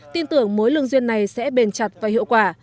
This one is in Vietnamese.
tin tưởng mối lương duyên này sẽ bền chặt và hiệu quả